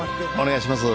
お願いします。